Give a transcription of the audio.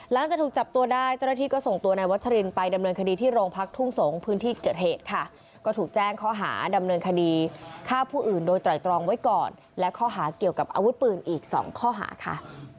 หลังจากถูกจับตัวได้เจ้าหน้าที่ก็ส่งตัวนายวัชรินไปดำเนินคดีที่โรงพักทุ่งสงศ์พื้นที่เกิดเหตุค่ะก็ถูกแจ้งข้อหาดำเนินคดีฆ่าผู้อื่นโดยไตรตรองไว้ก่อนและข้อหาเกี่ยวกับอาวุธปืนอีกสองข้อหาค่ะ